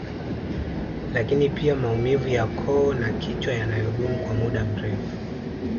Lakini pia maumivu ya koo na kichwa yanayodumu kwa muda mrefu